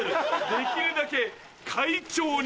できるだけ会長に見せる。